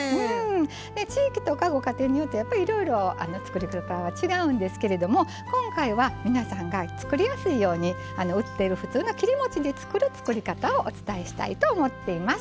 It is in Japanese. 地域とかご家庭によってやっぱりいろいろ作り方は違うんですけれども今回は皆さんが作りやすいように売っている普通の切りもちで作る作り方をお伝えしたいと思っています。